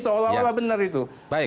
seolah olah benar itu